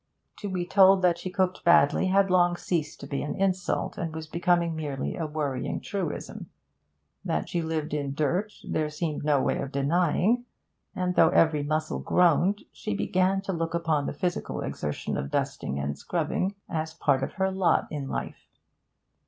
To be told that she cooked badly had long ceased to be an insult, and was becoming merely a worrying truism. That she lived in dirt there seemed no way of denying, and though every muscle groaned, she began to look upon the physical exertion of dusting and scrubbing as part of her lot in life.